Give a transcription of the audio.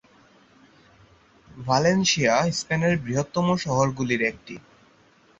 Valencia স্পেনের বৃহত্তম শহরগুলির একটি।